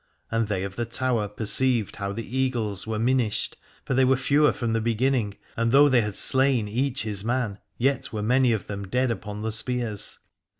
And they of the Tower perceived how the Eagles were minished, for they were fewer from the beginning, and though they had slain each his man, yet were many of them dead upon the spears.